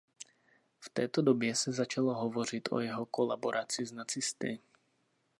V této době se začalo hovořit o jeho kolaboraci s nacisty.